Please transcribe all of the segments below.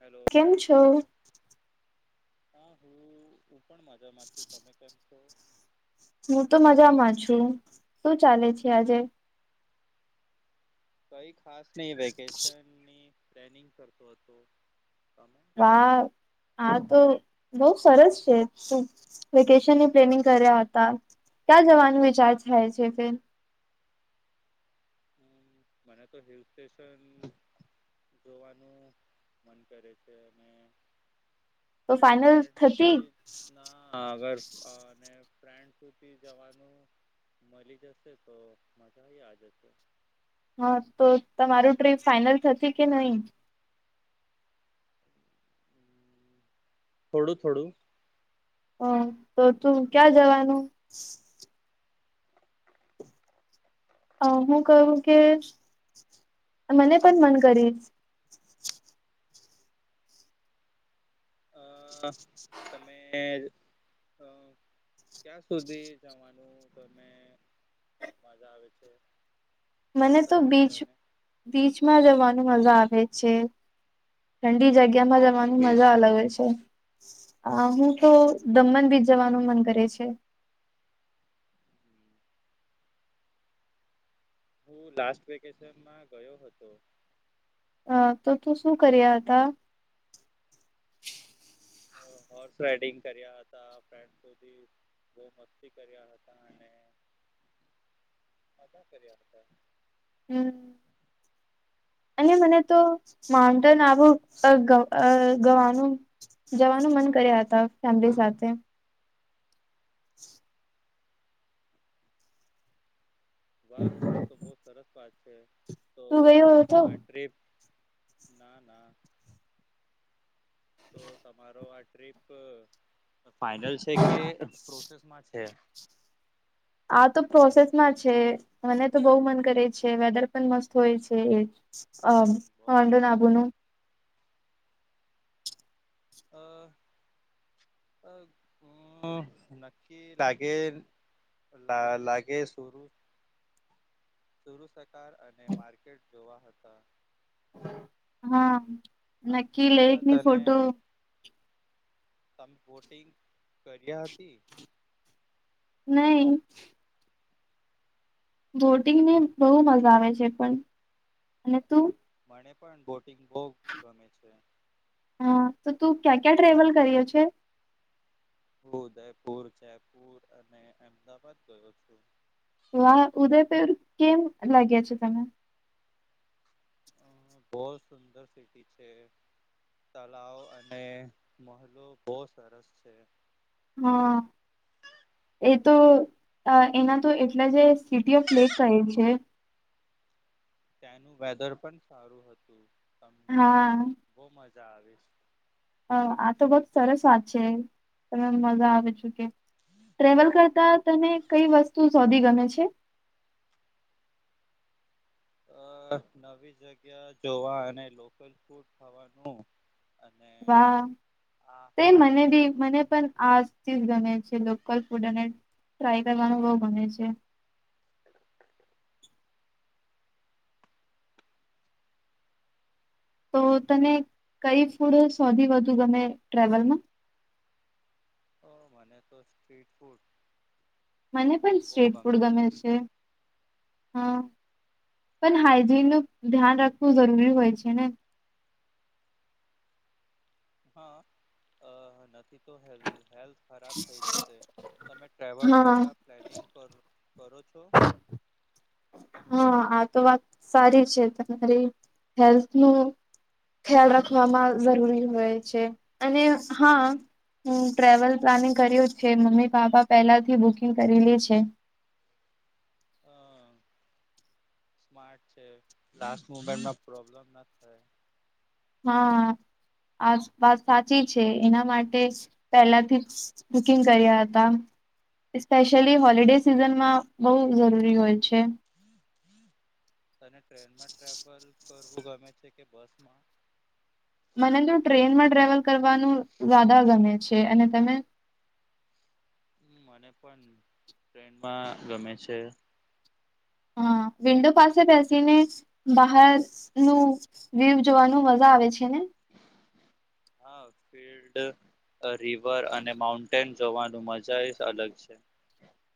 Hello કેમ છો હા હું હું પણ મજા માં છું તમે કેમ છો હું તો મજામાં છું શું ચાલે છે આજે કઈ ખાસ નહી વેકેશનની પ્લેનિંગ કરતો હતો તમે વાવ હા તો બઉ સરસ છે તું વેકેશનની પ્લેનિંગ કર્યા હતા ક્યાં જવાનું વિચાર થાય છે ફે હ મને તો હિલ સ્ટેશન જોવાનું મન કરે છે અને તો જો ફાઈનલ ફ્રેન્ડ થતી સુધી [unintelligible] [inaudible] [unintelligible] જવાનું મલી જશે તો મજા આઈ જશે હા તો તમારું ટ્રીપ ફાાઈનલ થતી કે નહી થોડું થોડું હ તો તું ક્યાં જવાનું અ હું કહું કે મને પણ મન કરીશ અહ તમે હમ ક્યાંસુધી જવાનું તમે? મજા આવે છે મને તો પસંદ છે બીચ, તને બીચમાં જવાનું મજા આવે છે. ઠંડી જગ્યામાં કયો જવાની મજા બીચ અલગ હોય છે અ હું તો, દમણ બીચ જવાનું મન કરે છે. હું લાસ્ટ વેકેશનમાં ગયો હતો. હ તો તું શું કર્યા હતા? હોર્સ રાઈડિંગ કર્યા હતા ફ સુધી [unintelligible] બહુમતથી કર્યા હતા અને મજા કર્યા હતા. હમ. અને મને તો, માઉન્ટેન આવું ગવાનું. જવાનું મન કર્યા હતા, ફેમિલી સાથે. [inaudible] વાહ આ તો બહુ સરસ વાત છે તો, તું ગયો હતો આ ટ્રીપ ના ના. તો તમારો આ ટ્રીપ, ફાાઈનલ છે કે પ્રોસેસમાં છે. આ તો પ્રોસેસમાં છે, મને તો બહુ મન કરે છે, વેધર પણ મસ્ત હોય છે એ અ, હમ, બહુ હડ સરસ નાભુનું હા. અ હમ, નક્કી લાગેલ લા લાગે શરૂ સુુરસકાર અને માર્કેટ જોવા હતા. હા, આ નક્કી અચ્છા લેકની તને ફોટો. તમે બોટિંગ, કર્યા હતી. નહીં.. બોટિંગને બહુ મજા આવે છે પણ, અને તું મને પણ બોટિંગ, બહુ ગમે છે. હા તો તું ક્યાં ક્યાં ટ્રેવલ કર્યો છે? હું ઉદયપુર, જયપુર અને અહેમદાવાાદ ગયો છું. વાહ! ઉદયપેર, કેમ લાગ્યા છે તને? હ બુ સુંદર સિટી છે. તળાવ અને મહલો બહુ સરસ છે. હ. એ તો, એના તો એટલે જે, સિટી ઓફ લેક કહે છે. ત્યાંનું વેધર પણ સારું હતું તમને, હા બહુ મજા આવીશ. હ આ તો વત સરસ વાત છે, તમે મજા આવે છે કે ટ્રેવલ કરતા તને કઈ વસ્તુ શોધવી ગમે છે. અ. નવી જગ્યા જોવા અને લોકલ ફૂડ ખાવાનું અને વાહ! આ તે મને બી મને પણ આજથી જ ગમે છે લોકલ ફૂડ ને ટ્રાય કરવાનું બઉ ગમે છે. તો તને કઈ ફૂડ સૌથી વધુ ગમે ટ્રાવેલમાં. ઓ, મને તો સ્ટ્રીટ ફૂડ‌ મને પણ સ્ટ્રીટ ફૂડ ગમતી ગમે હતી. છે. હા, પણ હાઈજીનનું, ધ્યાન રાખવું જરૂરી હોય છે ને હા અ. નથી તો એ હેલ્થ ખરાબ થઈ જશે તમે ટ્રવલ હા પહેલાં પ્લેનિંગ કર કરો છો હ આ તો વાત, સારી છે તમારી હેલ્થનું ખ્યાલ રાખવામાં જરૂરી હોય છે અને હા હ, ટ્રેવલ પ્લાનિંગ કર્યું જ છે, મમ્મી પાપા પહેલાથી બુકિંગ કરેલી છે. હમ, સ્માર્ટ છે લાસ્ટ મુમેન્ટમાં પ્રોબ્લેમ ના થાય. હા આ વાત સાચી છે એના માટે પહેલાથી બુકિંગ કર્યા હતા. સ્પેશિયલી હોલિડે સિઝનમાં બહુ જરૂરી હોય છે. તને ટ્રેનમાં ટ્રાવલ કરવું ગમે છે કે બસ માં. મને તો ટ્રેનમાં ટ્રાવલ કરવાનું જદા ગમે છે અને તમે હ મને પણ ટ્રેનમાં ગમે છે. હા વિન્ડો પાસે બેસી ને બહાર નું વ્યવ જોવાનું મજા આવે છે ને હા ફિલ્ડ રિવર અને માઉન્ટેન જવાનું મજા એ અલગ છે.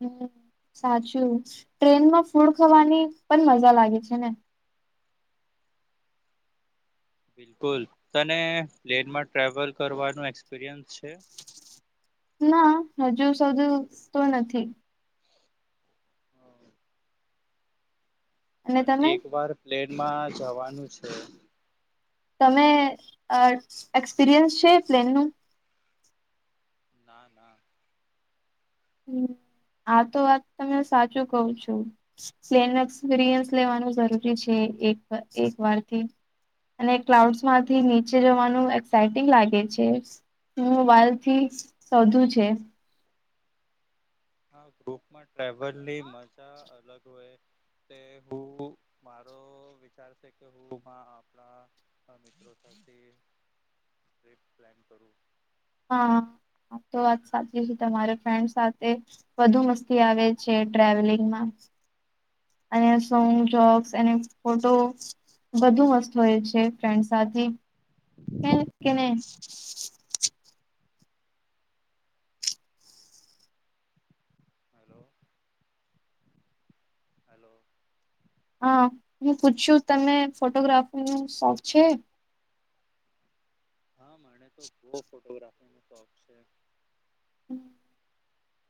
હમ સાચું ટ્રેનમાં ફૂડ ખાવાની પણ મજા લાગે છે ને બિલકુલ તને પ્લેનમાં ટ્રાવેલ કરવાનું એક્સપિરિયન્સ છે ના હજુ સધું તો નથી હા અને પણ તમે એક વાર પ્લેનમાં જવાનું છે તમે એક્સપિરિયન્સ છે પ્લેનનું ના ના હ આ તો વાત તમે સાચું કઉ છું પ એક્સપિરિયન્સ લેવાનું જરૂરી છે એક એક વારથી અને ક્લાઉડસ માંથી નીચે જવાનું સેટિંગ લાગે છે મોબાઈલથી સોધું છે હા ગ્રુપમાં ટ્રાવલની મજા અલગ હોય તે હું મારો વિચાર છે કે હું આપણા હ મિત્રો સાથે ટ્રીપ પ્લાન કરું હા તો વાત સાચી છે તમારે ફ્રેન્ડ સાથે વધુ મસ્તી આવે છે ટ્રાવેલિંગમાં અને સોંગ જોક્સ અને ફોટો બધું મસ્ત હોય છે ફ્રેન્ડ સાથે કે નહી હલો હલો હા હું પૂછ છું તમે ફોટોગ્રાફી ન શોખ છે હા મને તો બહુ ફોટોગ્રાફીનો શોખ છે હમ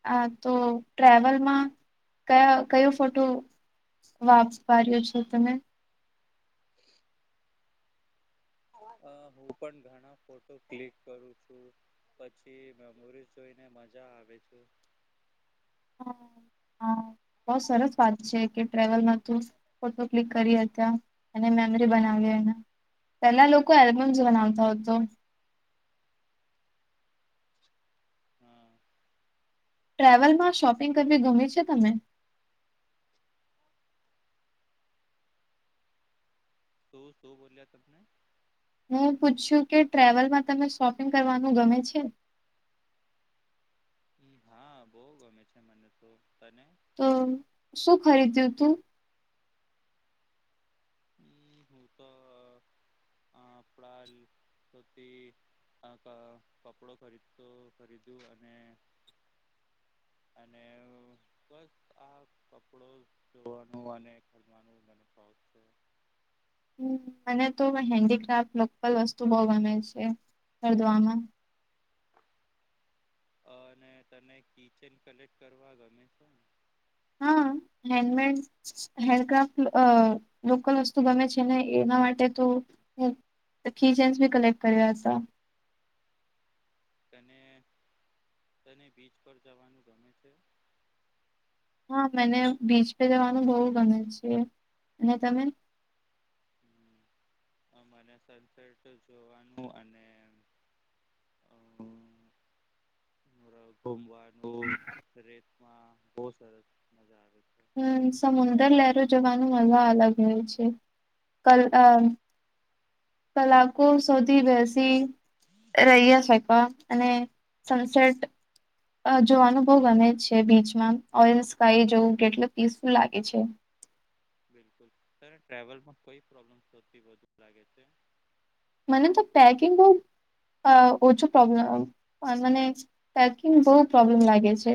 હ તો ટ્રાવલમાં કયા કયો ફોટો વાપસ પાયો છો તમે [inaudible] હ હું પણ ઘણા ફોટો ક્લિક કરું છું પછી મેમોરીઝ જોઈને મજા આવે છે હ હ બહ સરસ વાત છે કે ટ્રવલમાં ફોટો ક્લિક કરી હતા અને મેમરી બનાવી એના પેલા લોકો એલ્બમ્સ બનાવતા હતો હા ટ્રાવલ માં શોપિંગ કરવી ગમે છે તમે શું શું બોલ્યા તમને હું પૂછ છું કે ટ્રાવલમાં તમે શોપિંગ કરવાનું ગમે છે હા બહ ગમે છે મને તો તને તો શું ખરીદ્યું તું હમ હું તો પ્રાલ પ્રતિ આ કપડો ખરીદતો ખરીદ્યું અને અને બસ આ કપડો ધવાનું અને ખરવાનું મ શ છે. હ મને તો હેન્ડીક્રાફ્ટ લોકલ વસ્તુ બહ ગમે છે ખરીદવામાં અને તને કિચન કલેક્ટ કરવા ગમે છે હા હેન્ડમેડ હેન્ડક્રાફ્ટ અ-લોકલ વસ્તુ ગમે છે ને એના માટે તો હુ ખી જેન્સ બી કલેક્ટ કરીયાતા તને તને બીચ પર જવાનું ગમે છે. હા મને બીચ પે જવાનું બહુ ગમે છે અને તમે મને સનસેટ જોવાનું અને [unintelligible] બૌ રેતમાં બહુ સરસ મજા આવે છે. હમ સમુદર લહેરો જવાનું મજા અલગ હો છે હ કલ-અ કલાકો સોધી બેસી રહીયા છેક અને સનસેટ જોવાનું બહુ ગમે જ છે બીચમાં ઓરેન્જ સ્કાય જોવું કેટલું પીસફુલ લાગે છે. બિલકુલ તને ટ્રૅવલમાં કોઈ પ્રોબ્લમ થતી વધુ લાગે છે. મનેતો પેકિંગ બૌ અ-ઓછું પ્રબ્લેમ મને પેકિંગ બહુ પ્રબ્લેમ લાગે છે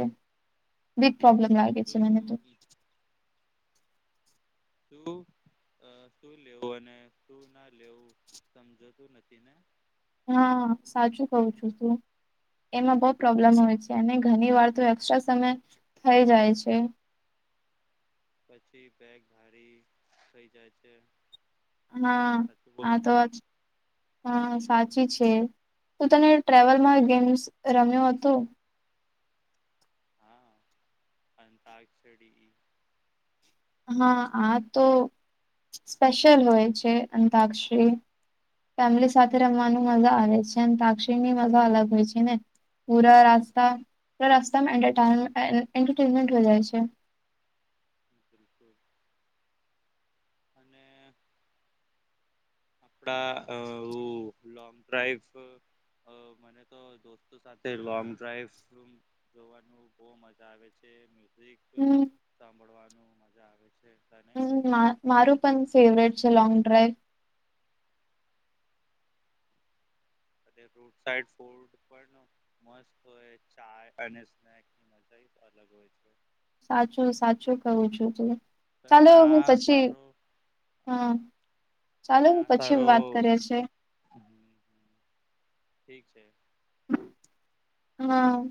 બિગ પ્રબ્લેમ લાગે છે મને તો શું શું શું લેવું અને શું ના લેવું સમજતું નથી ને હા સાચું કઉ છું તું એમાં બહુ પ્રોબ્લેમ હોય છે અને ઘણી વાર તો એસ્ટ્રા સમય થઈ જાય છે. પછી બેગ ભારી થઈ જાય છે. હા હું સાચું આ બોલું તો છું હા સાચી છે. તો તને ટ્રાવલમાં ગેમ્સ રમ્યો હતો. હા અન્તાક્ષડી હા આ તો સ્પેશયલ હોય છે અંતાક્ષરી ફેમિલી હા સાથે રમવાનું મજા આવે છે અને અન્તાક્ષરી ની મજા અલગ હમ હોય છે ને પૂરા રાસ્તા પુરા રસ્તામાં એન્ટન્ટરટેનમેન્ટ હો જાય છે. [inaudible] અને આપણા અઓ-લોંગ ડ્રાઈવસ મને તો દોસ્તો સાથે લોંગ ડ્રાઈવસ રૂમ જોવાનું બહુ મજા આવે છે મ્યુઝિક હમ સાંભળવાનું મજા આવે છે. તને હમ્મ મા-મારું પણ ફેવરેટ છે લોંગ ડ્રાઈવ રૂટ સાઈડ ફોડ પણ મસ્ત હોય ચાય અને સ્નેક અલગ હોય છે. સાચું સાચું કુંહુ છું તું તને ચાલો હું આ પછી સારો હ અ ચાલો પછી વાત કરે છે. હ ઠીક છે. હા